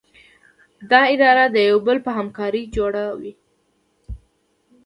دا اداره د یو بل په همکارۍ جوړه وي.